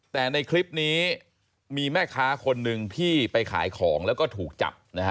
แต่ในคลิปนี้มีแม่ค้าคนหนึ่งที่ไปขายของแล้วก็ถูกจับนะฮะ